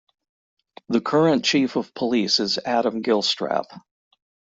The current chief of police is Adam Gilstrap.